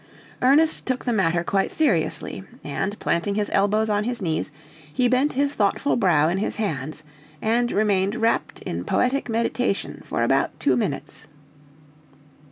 Ernest took the matter quite seriously, and planting his elbows on his knees, he bent his thoughtful brow in his hands, and remained wrapt in poetic meditation for about two minutes.